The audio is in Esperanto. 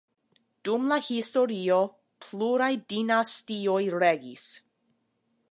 Dum la historio pluraj dinastioj regis.